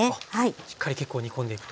しっかり結構煮込んでいくと。